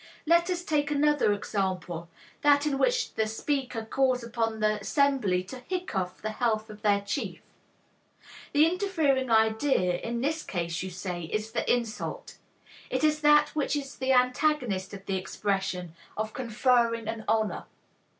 Let us take another example, that in which the speaker calls upon the assembly 'to hiccough the health of their chief.' The interfering idea in this case, you say, is the insult. It is that which is the antagonist of the expression of conferring an honor.